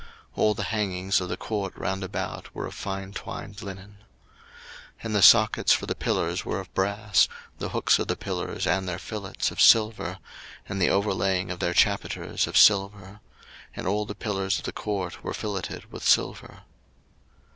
02:038:016 All the hangings of the court round about were of fine twined linen. 02:038:017 And the sockets for the pillars were of brass; the hooks of the pillars and their fillets of silver; and the overlaying of their chapiters of silver; and all the pillars of the court were filleted with silver.